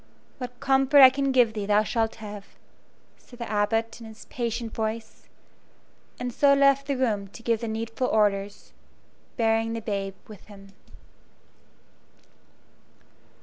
"What comfort I can give thee thou shalt have," said the Abbot, in his patient voice, and so left the room to give the needful orders, bearing the babe with him.